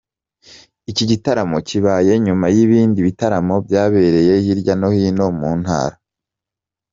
Iki gitaramo kibaye nyuma y’ibindi bitaramo byabereye hirya no hino mu Ntara.